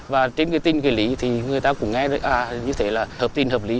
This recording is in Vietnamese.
và trên cái tin cái lý thì người ta cũng nghe như thế là hợp tin hợp lý